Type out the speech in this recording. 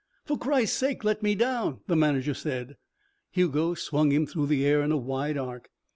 "For Christ's sake, let me down," the manager said. Hugo swung him through the air in a wide arc.